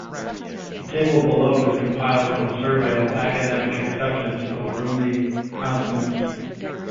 The table below is compiled from a survey of academic acceptance of Rundi consonants.